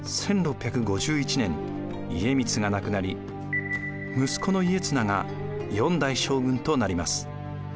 １６５１年家光が亡くなり息子の家綱が４代将軍となります。